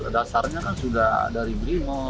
memang dia dasarnya sudah dari brimog